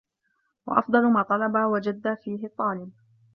وَأَفْضَلُ مَا طَلَبَ وَجَدَّ فِيهِ الطَّالِبُ